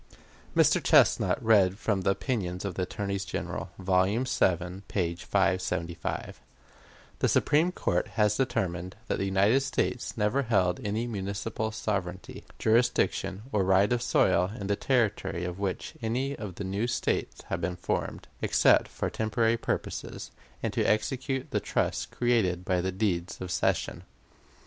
Mr. Chesnut read from the "Opinions of the Attorneys General," vol. vii, page 575: "The Supreme Court has determined that the United States never held any municipal sovereignty, jurisdiction, or right of soil in the territory of which any of the new States have been formed, except for temporary purposes, and to execute the trusts created by the deeds of cession....